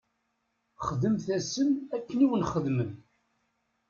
Xdemt-asen akken i wen-xedmen.